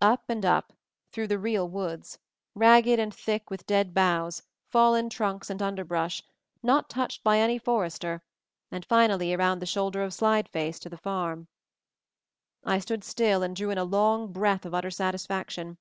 Up and up, through the real woods, 278 MOVING THE MOUNTAIN /. ragged and thick with dead boughs, fallen trunks and underbrush, not touched by any forester, and finally, around the shoulder of Slide face, to the farm. I stood still and drew in a long breath of utter satisfaction.